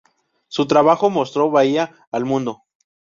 Su trabajo mostró Bahía al mundo.